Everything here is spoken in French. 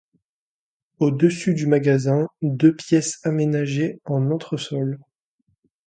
Au-dessus du magasin, deux pièces aménagées en entresol.